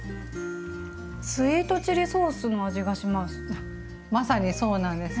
スイートチリソースの味がします。